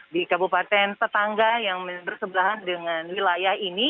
di kabupaten tetangga yang bersebelahan dengan wilayah ini